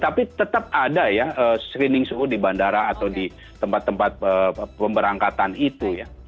tapi tetap ada ya screening suhu di bandara atau di tempat tempat pemberangkatan itu ya